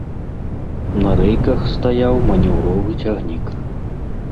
На рэйках стаяў манеўровы цягнік.